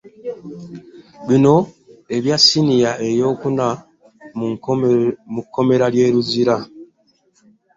Bino ebya Ssiniya ey'okuna mu kkomera ly'e Luzira.